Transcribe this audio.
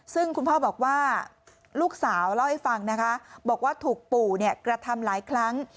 ซึ่งคุณพ่อบอกว่าลูกสาวเล่าให้ฟังนะคะบอกว่าถูกปู่กระทำหลายครั้ง